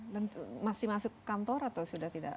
dan masih masuk kantor atau sudah tidak